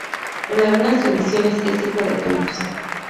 En algunas tradiciones, es hijo de Calipso.